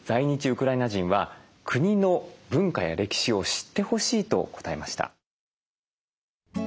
ウクライナ人は国の文化や歴史を知ってほしいと答えました。